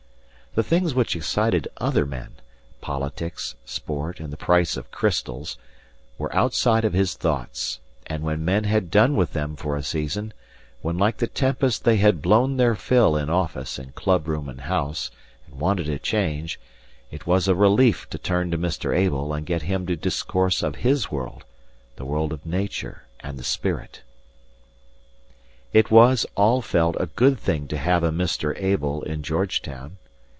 The things which excited other men politics, sport, and the price of crystals were outside of his thoughts; and when men had done with them for a season, when like the tempest they had "blown their fill" in office and club room and house and wanted a change, it was a relief to turn to Mr. Abel and get him to discourse of his world the world of nature and of the spirit. It was, all felt, a good thing to have a Mr. Abel in Georgetown.